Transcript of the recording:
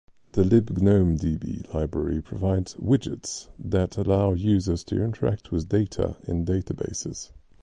The libgnomedb library provides "widgets" that allow users to interact with data in databases.